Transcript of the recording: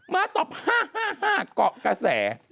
ม้าตอบ๕๕๕เกาะกระแส